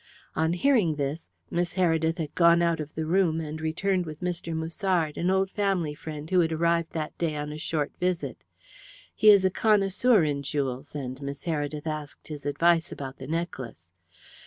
On hearing this Miss Heredith had gone out of the room and returned with Mr. Musard, an old family friend who had arrived that day on a short visit. He is a connoisseur in jewels, and Miss Heredith asked his advice about the necklace.